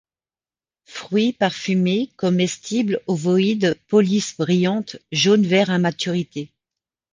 Fruits: parfumés, comestibles, ovoïdes, peau lisse brillante, jaune-vert a maturité.